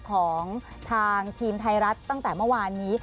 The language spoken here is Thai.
ของทางทีมไทยรัฐตั้งแต่เมื่อวานนี้